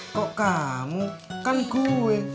kok kamu kan gue